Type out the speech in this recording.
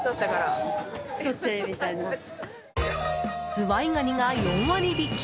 ズワイガニが４割引き！